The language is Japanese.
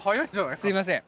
すいません